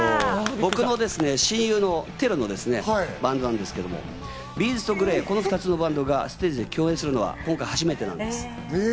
僕の親友のＴＥＲＵのバンドなんですけれど、Ｂ’ｚとＧＬＡＹ、この２つのバンドがステージで共演するのは今回初めてなんです。